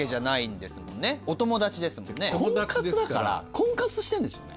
婚活してんですよね。